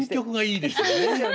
いいですよね。